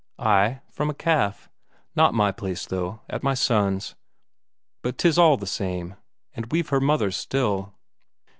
"Ay, from a calf. Not my place, though; at my son's. But 'tis all the same. And we've her mother still."